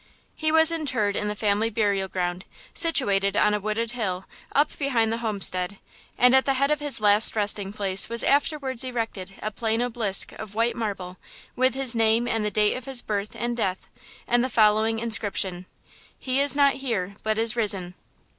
He was interred in the family burial ground, situated on a wooded hill up behind the homestead, and at the head of his last resting place was afterwards erected a plain obelisk of white marble, with his name and the date of his birth and death and the following inscription: "He is not here, but is risen."